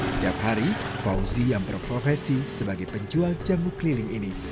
setiap hari fauzi yang berprofesi sebagai penjual jamu keliling ini